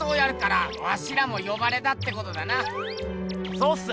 そうっす！